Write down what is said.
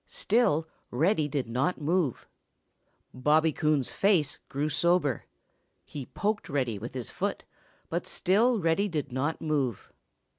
Still Reddy did not move. Bobby Coon's face grew sober. He poked Reddy with his foot, but still Reddy did not move.